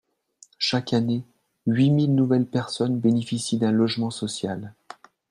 Chaque année, huit mille nouvelles personnes bénéficient d’un logement social.